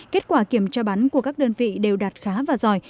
kết quả kiểm tra bắn của các đơn vị đều đạt khá và giỏi